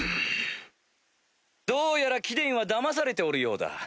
どうやら貴殿はだまされておるようだ。